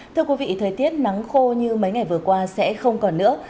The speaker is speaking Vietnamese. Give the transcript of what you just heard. thưa quý vị thời tiết nắng khô như mấy ngày vừa qua sẽ không còn nữa